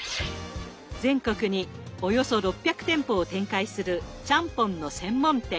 全国におよそ６００店舗を展開するちゃんぽんの専門店。